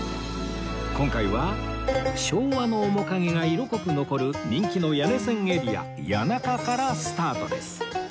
今回は昭和の面影が色濃く残る人気の谷根千エリア谷中からスタートです